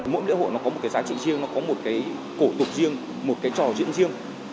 mỗi lễ hội nó có một cái giá trị riêng nó có một cái cổ tục riêng một cái trò diễn riêng